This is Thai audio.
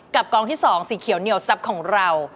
กับกล้องที่๒สีเขียวเหนียวทรัพย์ของเรา